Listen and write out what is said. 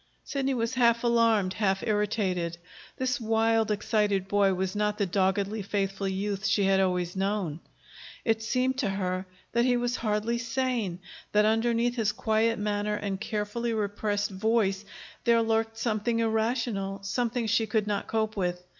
Sidney was half alarmed, half irritated. This wild, excited boy was not the doggedly faithful youth she had always known. It seemed to her that he was hardly sane that underneath his quiet manner and carefully repressed voice there lurked something irrational, something she could not cope with.